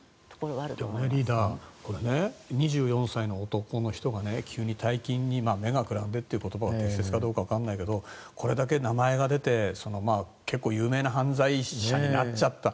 でもリーダー２４歳の男の人が急に大金に目がくらんでという言葉が適切かどうかわからないけどこれだけ名前が出て結構有名な犯罪者になっちゃった。